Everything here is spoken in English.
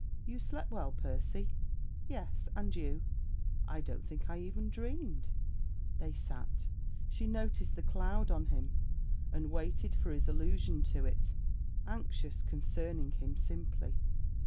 'You slept well, Percy?' 'Yes; and you?' 'I don't think I even dreamed.' They sat. She noticed the cloud on him and waited for his allusion to it, anxious concerning him simply.